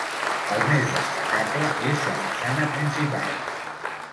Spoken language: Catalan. El més destacable és la façana principal.